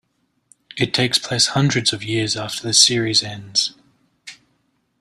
It takes place hundreds of years after the series ends.